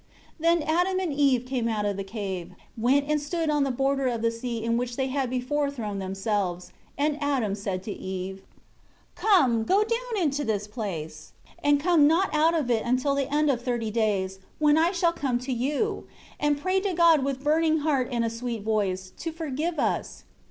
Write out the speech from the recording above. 4 Then Adam and Eve came out of the cave, went and stood on the border of the sea in which they had before thrown themselves, and Adam said to Eve: 5 Come, go down into this place, and come not out of it until the end of thirty days, when I shall come to you. And pray to God with burning heart and a sweet voice, to forgive us.